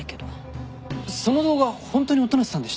その動画ホントに音無さんでした？